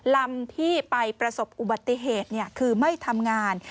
ลำที่ไปประสบอุบัติเหตุคือไม่ทำงาน